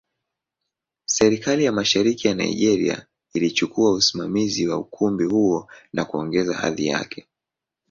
Serikali ya Mashariki ya Nigeria ilichukua usimamizi wa ukumbi huo na kuongeza hadhi yake.